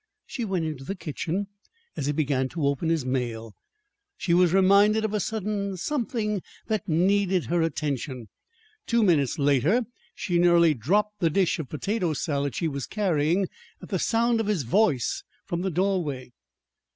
She went into the kitchen as he began to open his mail she was reminded of a sudden something that needed her attention. Two minutes later she nearly dropped the dish of potato salad she was carrying, at the sound of his voice from the doorway.